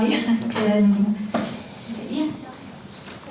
penyelenggaraan yang cukup lama